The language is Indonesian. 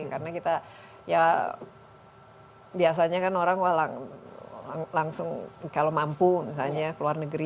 karena kita ya biasanya kan orang langsung kalau mampu misalnya keluar negeri